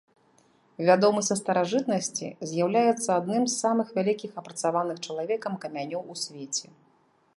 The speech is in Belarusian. Вядомы са старажытнасці, з'яўляецца адным з самых вялікіх апрацаваных чалавекам камянёў у свеце.